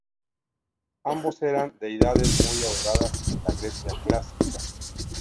Ambos eran deidades muy adoradas en la Grecia Clásica.